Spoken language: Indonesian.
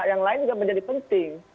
yang lain juga menjadi penting